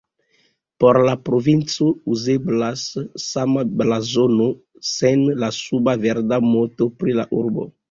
Por la provinco uzeblas sama blazono sen la suba verda moto pri la urbo.